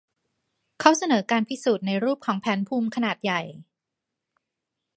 เขาเสนอการพิสูจน์ในรูปของแผนภูมิขนาดใหญ่